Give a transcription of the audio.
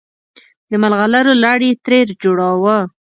د ملغلرو لړ یې ترې جوړاوه.